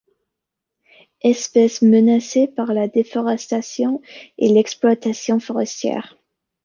Espèce menacée par la déforestation et l'exploitation forestière.